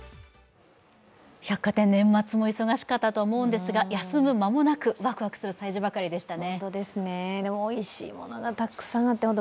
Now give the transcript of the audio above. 百貨店、年末も忙しかったと思うんですが休む間もなくワクワクする催事ばかりでしたね。